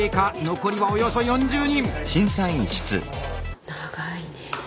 残りはおよそ４０人。